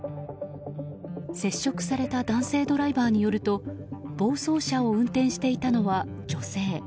接触された男性ドライバーによると暴走車を運転していたのは女性。